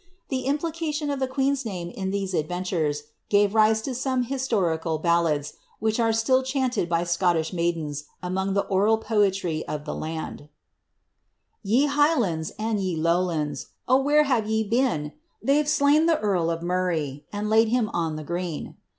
The implication of the queen's name in these adventures, gave rise lo some historical ballads, which are still chanted by Scottish maid ow among the oral poetry of the land : Te Highlands and je Lowlands, Oh, where have ye been? They *Te slain the earl of Murray, And laid him on the green.